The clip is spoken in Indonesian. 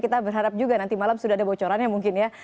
kita berharap juga nanti malam sudah ada bocorannya mungkin ya